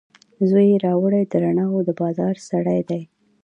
زوی یې راوړي، د رڼاوو دبازار سړی دی